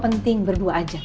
penting berdua aja